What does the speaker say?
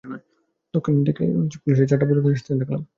দক্ষিণ থেকে চারটা পুলিশের গাড়ি আসতে দেখলাম।